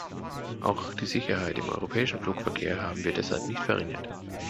Auch die Sicherheit im europäischen Flugverkehr haben wir deshalb nicht verringert.